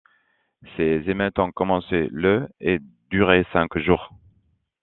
Ces émeutes ont commencé le et duré cinq jours.